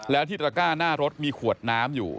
แล้วที่ตระก้าหน้ารถมีขวดน้ำอยู่